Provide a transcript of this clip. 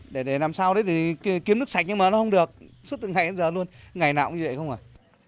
để làm sao thì kiếm nước sạch nhưng mà nó không được suốt từ ngày đến giờ luôn ngày nào cũng như vậy không rồi